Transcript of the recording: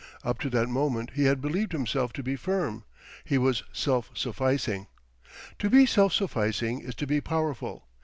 Up to that moment he had believed himself to be firm: he was self sufficing. To be self sufficing is to be powerful.